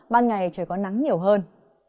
ban ngày trời có nắng nhiều hơn